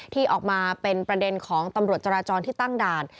ที่ออกมาเป็นประเด็นของตำรวจจราจรที่ตั้งด่าน